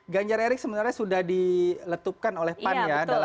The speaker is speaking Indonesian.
ganjar erik sebenarnya sudah diletupkan oleh pan ya